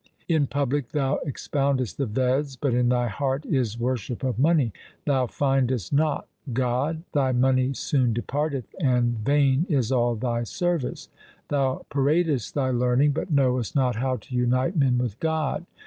In public thou expoundest the Veds, but in thy heart is worship of money. Thou findest not God, thy money soon departeth, and vain is all thy service. Thou paradest thy learning, but knowest not how to unite men with God.